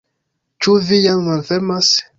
Ĉu vi jam malfermas?